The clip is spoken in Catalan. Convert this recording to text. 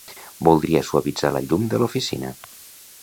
Voldria suavitzar la llum de l'oficina.